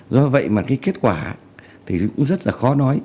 do vậy mà cái kết quả thì cũng rất là khó nói